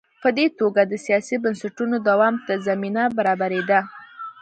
په دې توګه د سیاسي بنسټونو دوام ته زمینه برابرېده.